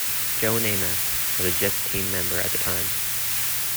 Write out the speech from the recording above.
Joe Namath was a Jets team member at the time.